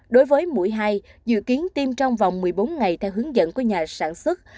đối với mũi hai dự kiến tiêm trong vòng một mươi bốn ngày theo hướng dẫn của nhà sản xuất